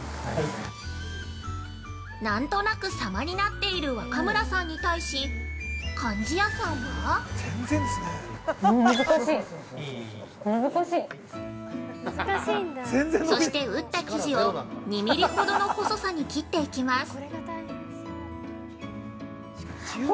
◆なんとなくさまになっている若村さんに対し、貫地谷さんは◆そして打った生地を２ミリほどの細さに切っていきます